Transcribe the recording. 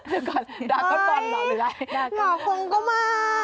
เดี๋ยวก่อนดากก็ต้อนหลอกเลยได้หนอกงก็มา